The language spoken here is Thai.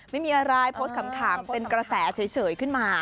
ไม่มีอะไรโพสต์ขำเป็นกระแสเฉยขึ้นมา